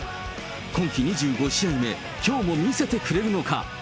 今季２５試合目、きょうも見せてくれるのか。